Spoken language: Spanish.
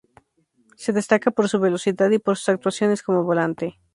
Se destaca por su velocidad y por sus actuaciones como volante.